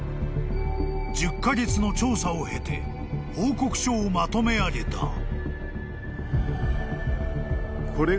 ［１０カ月の調査を経て報告書をまとめ上げた］